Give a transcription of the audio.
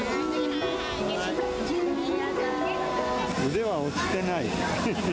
腕は落ちてない。